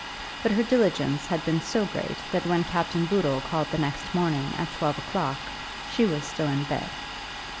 But her diligence had been so great that when Captain Boodle called the next morning at twelve o'clock she was still in bed.